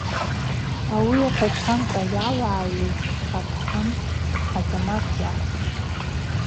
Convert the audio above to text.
Ауи атачанкӏа йалагӏайыз Атхан Азамат йакӏвпӏ.